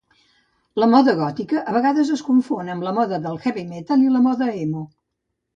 La moda gòtica a vegades es confon amb la moda del heavy metal i la moda emo.